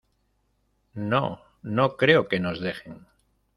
no... no creo que nos dejen .